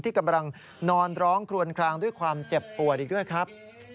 ที่กำลังนอนร้องคลวนคลางด้วยความเจ็บปวดอีกด้วยครับ